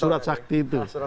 surat sakti itu